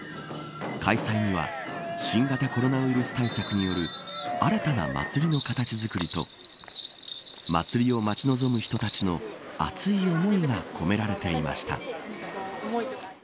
開催には新型コロナウイルス対策による新たな祭りの形づくりと祭りを待ち望む人たちの熱い思いが込められていました。